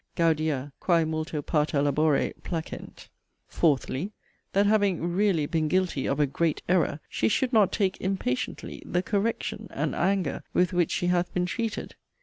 'Gaudia, quæ multo parta labore, placent.' FOURTHLY, That having 'really' been guilty of a 'great error,' she should not take 'impatiently' the 'correction' and 'anger' with which she hath been treated.